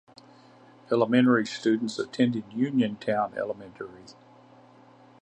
Elementary students attend Uniontown Elementary.